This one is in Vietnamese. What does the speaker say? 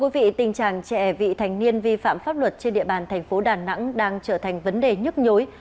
vị thành niên vi phạm pháp luật trên địa bàn thành phố đà nẵng đang trở thành vấn đề nhức nhối